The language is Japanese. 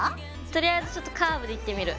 とりあえずちょっとカーブでいってみる。